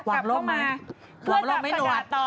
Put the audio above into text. วางร่มไหมวางร่มไม่หนวด